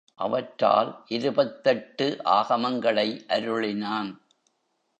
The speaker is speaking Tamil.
அவற்றால் இருபத்தெட்டு ஆகமங்களை அருளினான்.